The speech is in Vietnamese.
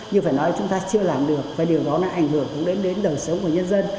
nhưng phải nói chúng ta chưa làm được và điều đó đã ảnh hưởng đến đời sống của nhân dân